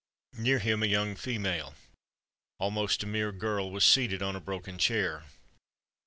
Near him a young female—almost a mere girl—was seated on a broken chair.